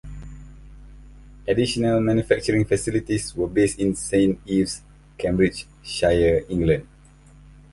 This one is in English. Additional manufacturing facilities were based in Saint Ives, Cambridgeshire, England.